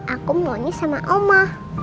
aku maunya sama oma